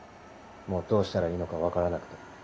もうどうしたらいいのか分からなくて。